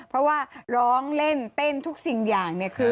เพราะล้องเล่นเต้นทุกสิ่งอย่าง